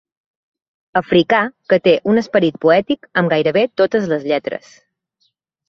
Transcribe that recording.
Africà que té un esperit poètic amb gairebé totes les lletres.